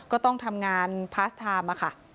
ก็ต้องทำงานพาสไทม์ค่ะ